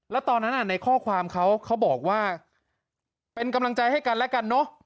แล้วตอนนั้นในข้อความเขาเขาบอกว่าเป็นกำลังใจให้กันและกันเนอะ